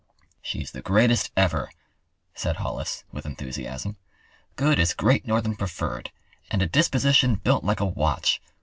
"She's the greatest ever," said Hollis, with enthusiasm. "Good as Great Northern Preferred, and a disposition built like a watch.